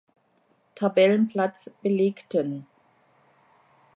Tabellenplatz belegten.